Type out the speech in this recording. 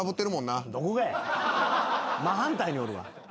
真反対におるわ。